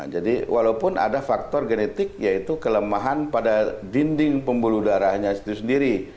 jadi walaupun ada faktor genetik yaitu kelemahan pada dinding pembuluh darahnya itu sendiri